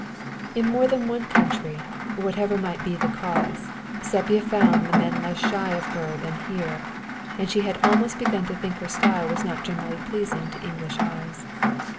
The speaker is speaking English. In more than one other country, whatever might be the cause, Sepia had found the men less shy of her than here; and she had almost begun to think her style was not generally pleasing to English eyes.